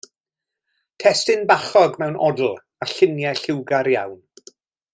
Testun bachog mewn odl, a lluniau lliwgar iawn.